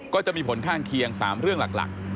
ก็จะมีผลข้างเคียง๓เรื่องหลัก